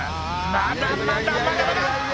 「まだまだまだまだ！」